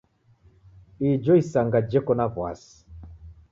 Ijo isanga jeko na w'asi.